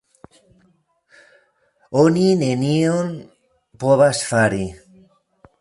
Oni nenion povas fari.